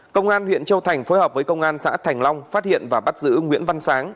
công an huyện châu thành phối hợp với công an xã thành long phát hiện và bắt giữ nguyễn văn sáng